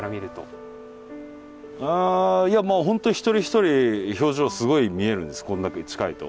いやもう本当一人一人表情すごい見えるんですこんだけ近いと。